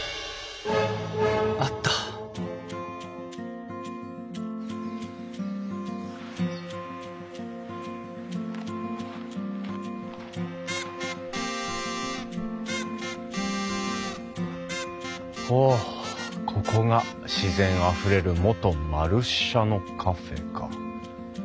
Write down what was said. あったおここが「自然あふれる元●舎のカフェ」か。